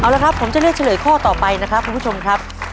เอาละครับผมจะเลือกเฉลยข้อต่อไปนะครับคุณผู้ชมครับ